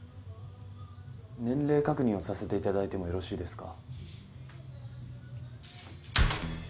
年齢確認をさせていただいてもよろしいですか。